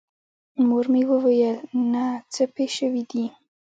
مور مې وويل نه څه پې سوي دي.